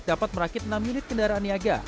dapat merakit enam unit kendaraan niaga